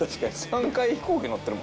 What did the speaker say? ３回飛行機乗ってる。